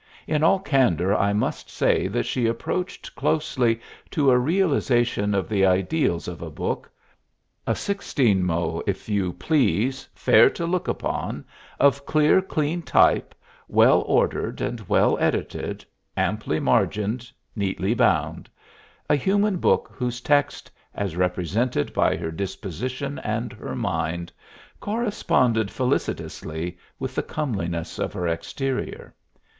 In all candor I must say that she approached closely to a realization of the ideals of a book a sixteenmo, if you please, fair to look upon, of clear, clean type, well ordered and well edited, amply margined, neatly bound; a human book whose text, as represented by her disposition and her mind, corresponded felicitously with the comeliness of her exterior.